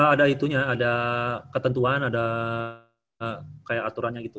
ada itunya ada ketentuan ada kayak aturannya gitu